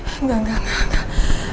enggak enggak enggak